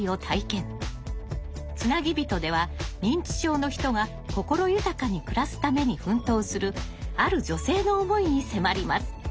「つなぎびと」では認知症の人が心豊かに暮らすために奮闘するある女性の思いに迫ります。